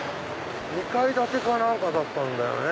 ２階建てか何かだったんだよね。